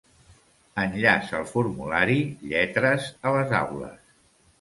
Enllaç al formulari "Lletres a les aules"